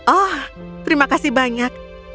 oh terima kasih banyak